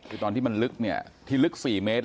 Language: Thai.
คือตอนที่มันลึก๔เมตร